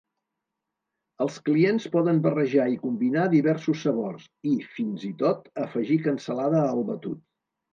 Els clients poden barrejar i combinar diversos sabors i, fins i tot, afegir cansalada al batut.